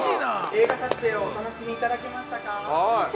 ◆映画撮影をお楽しみいただけましたか？